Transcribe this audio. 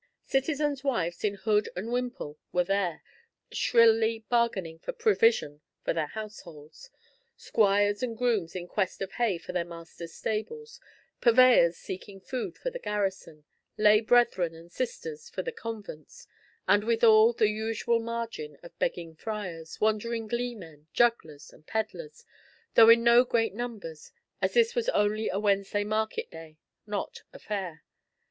Citizens' wives in hood and wimple were there, shrilly bargaining for provision for their households, squires and grooms in quest of hay for their masters' stables, purveyors seeking food for the garrison, lay brethren and sisters for their convents, and withal, the usual margin of begging friars, wandering gleemen, jugglers and pedlars, though in no great numbers, as this was only a Wednesday market day, not a fair.